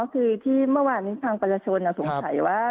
อ๋อคือว่าที่มีทางประชชนสงสัยว่า